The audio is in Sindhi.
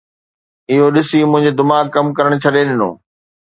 اهو ڏسي منهنجي دماغ ڪم ڪرڻ ڇڏي ڏنو